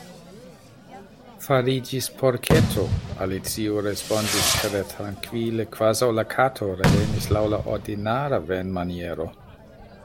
"Fariĝis porketo," Alicio respondis tre trankvile, kvazaŭ la Kato revenis laŭ la ordinara venmaniero.